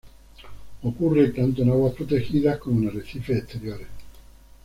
Ocurre tanto en aguas protegidas, como en arrecifes exteriores.